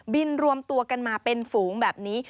รวมตัวกันมาเป็นฝูงแบบนี้